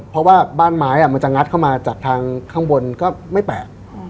เพราะว่าบ้านไม้มันจะงัดเข้ามาจากทางข้างบนก็ไม่แปลก